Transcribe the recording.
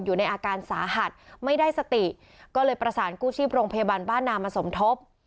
อยู่ในอาการสาหัสไม่ได้สติก็เลยประสานกู้ชีพโรงพยาบาลบ้านนามาสมทบ